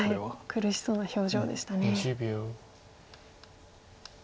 苦しそうな表情でしたね。